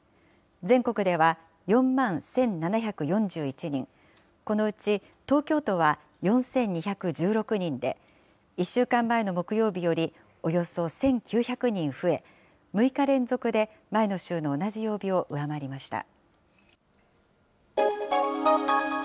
全国では４万１７４１人、このうち東京都は４２１６人で、１週間前の木曜日よりおよそ１９００人増え、６日連続で前の週の同じ曜日を上回りました。